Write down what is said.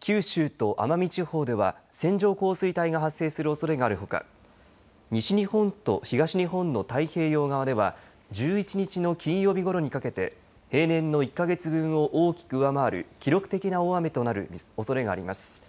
九州と奄美地方では線状降水帯が発生するおそれがあるほか西日本と東日本の太平洋側では１１日の金曜日ごろにかけて平年の１か月分を大きく上回る記録的な大雨となるおそれがあります。